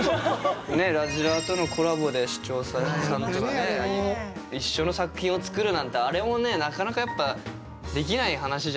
「らじらー！」とのコラボで視聴者さんと一緒の作品を作るなんてあれもねなかなかやっぱできない話じゃないですか。